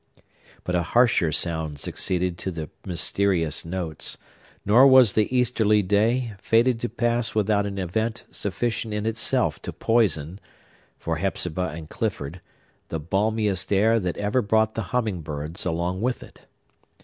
But a harsher sound succeeded to the mysterious notes; nor was the easterly day fated to pass without an event sufficient in itself to poison, for Hepzibah and Clifford, the balmiest air that ever brought the humming birds along with it.